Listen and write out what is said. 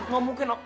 gak mungkin om